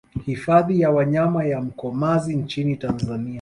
Hifadhi ya wanyama ya Mkomazi nchini Tanzania